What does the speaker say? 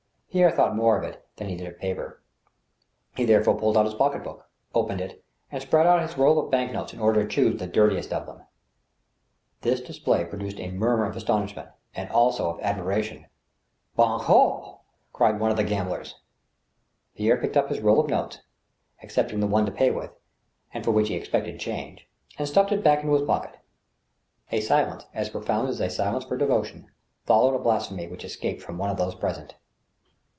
Pierre thought more of it than he did of paper. He therefore pulled out his pocket book» opened it, and spread out his roll of bank notes in order to choose the dirtiest of them. This display produced a murmur of astonishment, and also of ad miration. " Banco !" cried one of the gamblers. Pierre picked up his roll of notes, excepting the one to pay with, and for which he expected change, and stuffed it back into his pocket. A silence, as profound as a sUence for devotion, followed a blasphemy which escaped from one of those present.